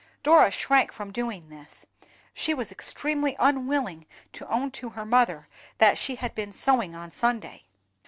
Dora shrank from doing this; she was extremely unwilling to own to her mother that she had been sewing on Sunday.